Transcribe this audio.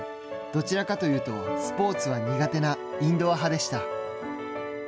どちらかというとスポーツは苦手なインドア派でした。